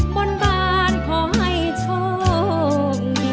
บนบานขอให้โชค